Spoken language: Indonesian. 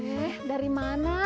eh dari mana